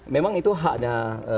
memang itu haknya